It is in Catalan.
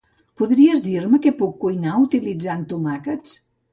Podries dir-me què puc cuinar utilitzant tomàquets?